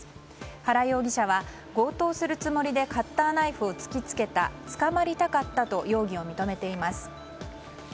原容疑者は強盗するつもりでカッターナイフを突きつけた捕まりたかったと容疑を認めています。